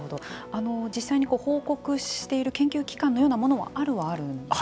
実際に報告している研究機関のようなものはあるはあるんですか。